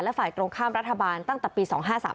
ฝ่ายตรงข้ามรัฐบาลตั้งแต่ปี๒๕๓๓